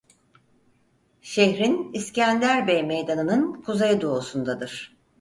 Şehrin İskender Bey Meydanı'nın kuzeydoğusundadır.